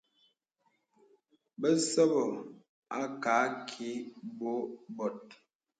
Bəsɔbɔ̄ à kààkì bɔ̄ bòt.